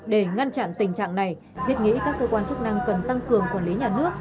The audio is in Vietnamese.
để ngăn chặn tình trạng này thiết nghĩ các cơ quan chức năng cần tăng cường quản lý nhà nước